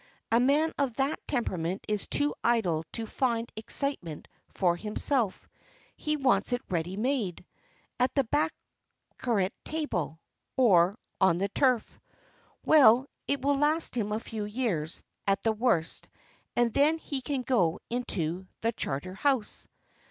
A man of that temperament is too idle to find excitement for himself. He wants it ready made at the baccarat table, or on the turf." "Well, it will last him a few years, at the worst, and then he can go into the Charter house."